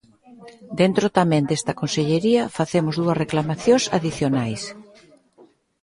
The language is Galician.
Dentro tamén desta consellería, facemos dúas reclamacións adicionais.